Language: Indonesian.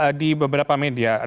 ada di beberapa media